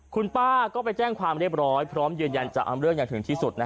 คุณป้าก็ไปแจ้งความเรียบร้อยพร้อมยืนยันจะเอาเรื่องอย่างถึงที่สุด